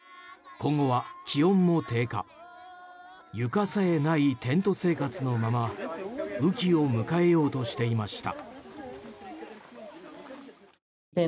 今後は気温も低下床さえないテント生活のまま雨期を迎えようとしていました。